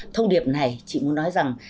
thông điệp này chị muốn nói rằng